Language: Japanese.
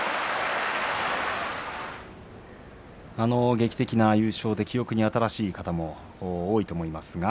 劇的な優勝で記憶に新しい方も、多いと思います。